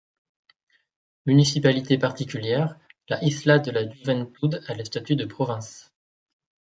Municipalité particulière, la Isla de la Juventud a le statut de province.